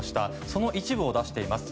その一部を出しています。